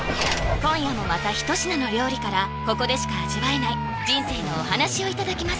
今夜もまた一品の料理からここでしか味わえない人生のお話をいただきます